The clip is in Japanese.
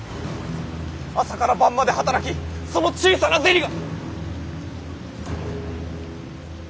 朝から晩まで働きその小さな銭が。